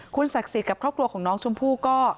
ศักดิ์สิทธิ์กับครอบครัวของน้องชมพู่ก็